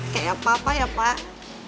kayak papa ya pak